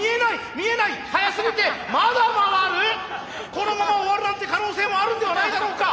このまま終わるなんて可能性もあるんではないだろうか。